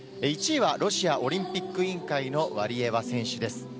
１位はロシアオリンピック委員会のワリエワ選手です。